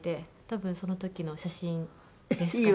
多分その時の写真ですかね。